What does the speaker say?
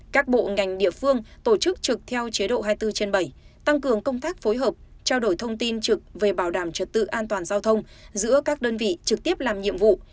các bộ ngành địa phương tổ chức trực theo chế độ hai mươi bốn trên bảy tăng cường công tác phối hợp trao đổi thông tin trực về bảo đảm trật tự an toàn giao thông giữa các đơn vị trực tiếp làm nhiệm vụ